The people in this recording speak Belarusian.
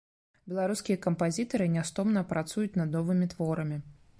Беларускія кампазітары нястомна працуюць над новымі творамі.